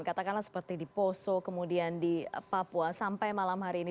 katakanlah seperti di poso kemudian di papua sampai malam hari ini